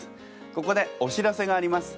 ここでお知らせがあります。